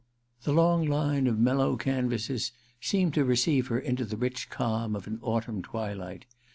The long line of mellow canvases seemed to receive her into the rich calm of an autumn twilight.